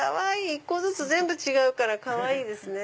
１個ずつ全部違うからかわいいですね。